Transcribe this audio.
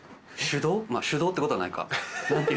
手動ってことはないか。